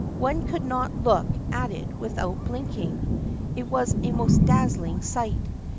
One could not look at it without blinking. It was a most dazzling sight.